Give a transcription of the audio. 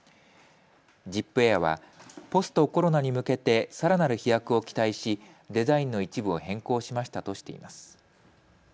ジップエアはポストコロナに向けて、さらなる飛躍を期待しデザインの一部を変更しましたとしています。